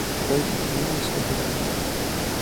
Бәй, нимә эшләйһегеҙ ул?